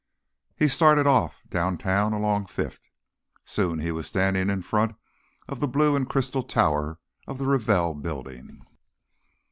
He started off downtown along Fifth. Soon he was standing in front of the blue and crystal tower of the Ravell Building.